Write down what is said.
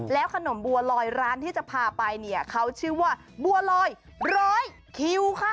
ขนมบัวลอยร้านที่จะพาไปเนี่ยเขาชื่อว่าบัวลอยร้อยคิวค่ะ